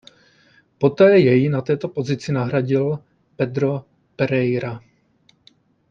Poté jej na této pozici nahradil Pedro Pereira.